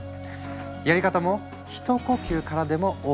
やり方も「ひと呼吸からでもＯＫ！